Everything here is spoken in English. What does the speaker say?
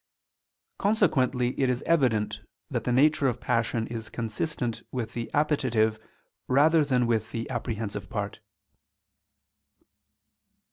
Consequently it is evident that the nature of passion is consistent with the appetitive, rather than with the apprehensive part.